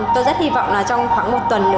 tôi rất hy vọng là trong khoảng một tuần